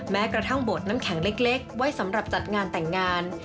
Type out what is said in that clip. แม้กระทั่งบดน้ำแข็งเล็กไว้สำหรับจัดงานแต่งงาน